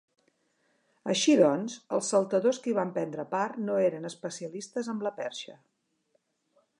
Així doncs, els saltadors que hi van prendre part no eren especialistes amb la perxa.